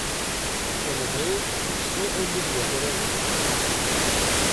Deg temẓi-w ksiɣ ulli d wakraren